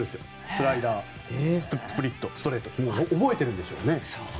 スライダースプリット、ストレートと覚えてるんでしょうね。